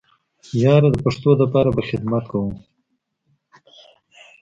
ياره د پښتو د پاره به خدمت کوو.